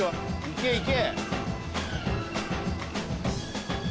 行け行け。